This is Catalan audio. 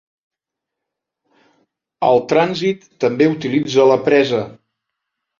El trànsit també utilitza la presa.